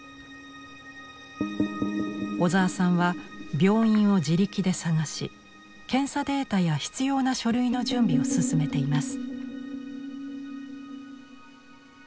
小沢さんは病院を自力で探し検査データや必要な書類の準備を進めています。